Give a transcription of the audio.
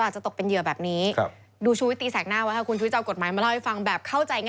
ใช่ครับ